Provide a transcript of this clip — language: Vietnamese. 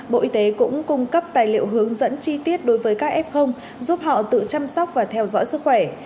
bộ y tế cũng cung cấp tài liệu hướng dẫn chi tiết đối với các f giúp họ tự chăm sóc và theo dõi sức khỏe